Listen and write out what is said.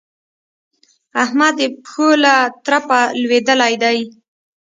احمد د پښو له ترپه لوېدلی دی.